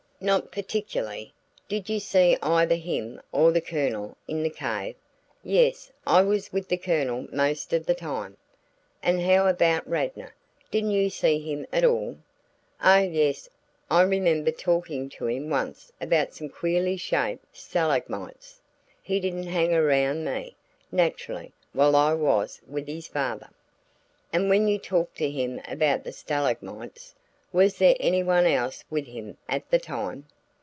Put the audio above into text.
"Not particularly." "Did you see either him or the Colonel in the cave?" "Yes, I was with the Colonel most of the time." "And how about Radnor? Didn't you see him at all?" "Oh, yes. I remember talking to him once about some queerly shaped stalagmites. He didn't hang around me, naturally, while I was with his father." "And when you talked to him about the stalagmites was there anyone else with him at the time?"